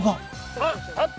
あっあった！